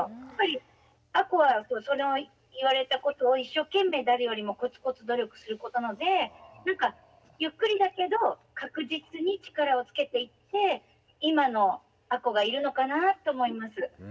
やっぱり亜子は言われたことを一生懸命誰よりもコツコツ努力する子なのでゆっくりだけど確実に力をつけていって今の亜子がいるのかなと思います。